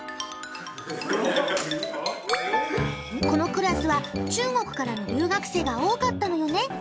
このクラスは中国からの留学生が多かったのよね。